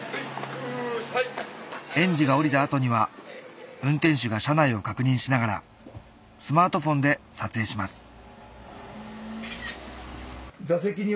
・園児が降りた後には運転手が車内を確認しながらスマートフォンで撮影します